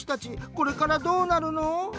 これからどうなるの？」。